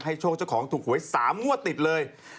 ให้โชคเจ้าของถูกหวย๓มั่วติดเลย